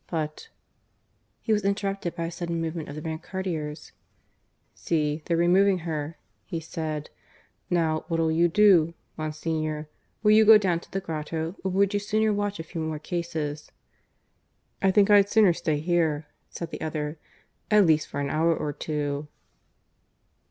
But " He was interrupted by a sudden movement of the brancardiers. "See, they're removing her," he said. "Now, what'll you do, Monsignor? Will you go down to the grotto, or would you sooner watch a few more cases?" "I think I'd sooner stay here," said the other, "at least for an hour or two."